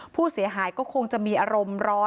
ผู้เสียหายก็คงจะมีอารมณ์ร้อน